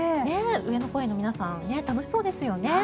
上野公園の皆さん楽しそうですよね。